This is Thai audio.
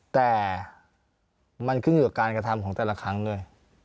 แต่มันขึ้นอยู่กับการกระทำของแต่ละครั้งด้วย